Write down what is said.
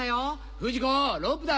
不二子ロープだ！